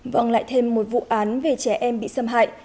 vâng lại thêm một vụ án về trẻ em bị xâm hại